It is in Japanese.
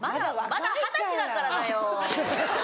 まだ二十歳だからだよ。